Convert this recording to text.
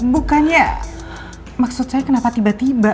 bukannya maksud saya kenapa tiba tiba